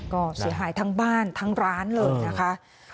ก็เสียหายทั้งบ้านทั้งร้านเลยนะคะ